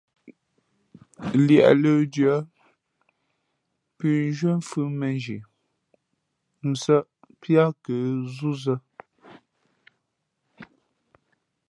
Liēʼ lə̌ndʉ̄ᾱ, pʉ̌nzhwē mfʉ̌ mēnzhi nsάʼ piá nkə̌ zúzᾱ.